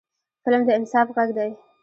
فلم د انصاف غږ دی